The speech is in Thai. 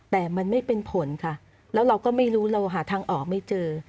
แต่มันไม่เป็นผลค่ะแล้วเราก็ไม่รู้เราหาทางออกไม่เจอ